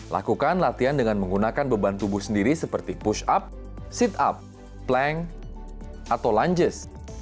lakukan latihan dengan menggunakan beban tubuh sendiri seperti push up sit up plank atau lunges